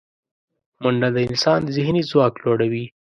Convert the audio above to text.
منډه د انسان ذهني ځواک لوړوي